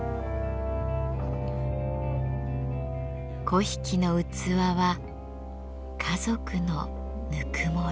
粉引の器は家族のぬくもり。